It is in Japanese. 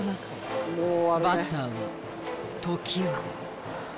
バッターは常盤。